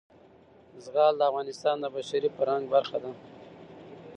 زغال د افغانستان د بشري فرهنګ برخه ده.